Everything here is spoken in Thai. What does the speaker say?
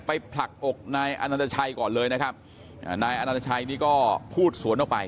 ไปผลักอกนายอาณาจัยก่อนเลยนะครับนายอาณาจัยนี่ก็พูดสวนเข้าไป